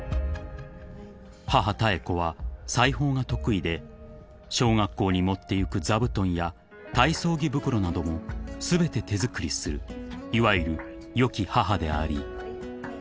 ［母妙子は裁縫が得意で小学校に持っていく座布団や体操着袋なども全て手作りするいわゆるよき母であり］